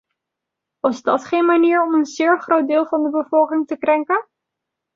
Was dat geen manier om een zeer groot deel van de bevolking te krenken?